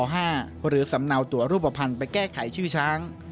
หรือสำเนาตัวรูปภัณฑ์ไปแก้ไขชื่อช้าง